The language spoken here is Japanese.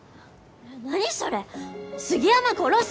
何それ⁉杉山殺す！